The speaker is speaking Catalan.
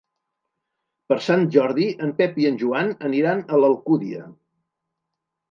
Per Sant Jordi en Pep i en Joan aniran a l'Alcúdia.